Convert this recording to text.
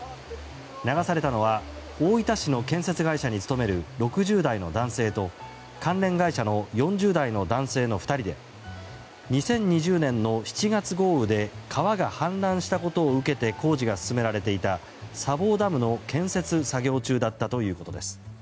流されたのは大分市の建設会社に勤める６０代の男性と関連会社の４０代の男性の２人で２０２０年の７月豪雨で川が氾濫したことを受けて工事が進められていた砂防ダムの建設作業中だったということです。